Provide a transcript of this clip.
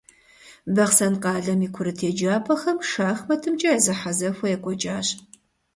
Бахъсэн къалэм и курыт еджапӀэхэм шахматымкӀэ я зэхьэзэхуэ екӀуэкӀащ.